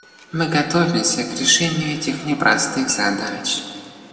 Мы готовимся к решению этих непростых задач.